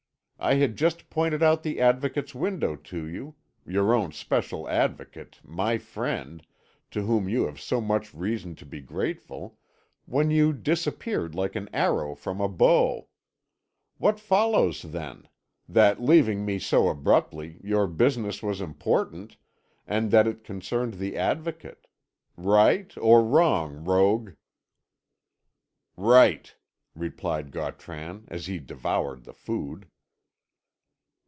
I had just pointed out the Advocate's window to you your own special Advocate, my friend, to whom you have so much reason to be grateful when you disappeared like an arrow from a bow. What follows then? That, leaving me so abruptly, your business was important, and that it concerned the Advocate. Right or wrong, rogue?" "Right," replied Gautran, as he devoured the food.